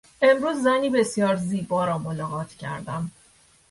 امروز زنی بسیار زیبا را ملاقات کردم.